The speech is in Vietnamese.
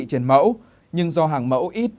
trên mẫu nhưng do hàng mẫu ít